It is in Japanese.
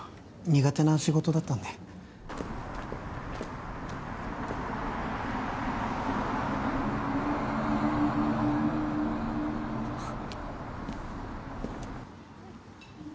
苦手な仕事だったんであっ？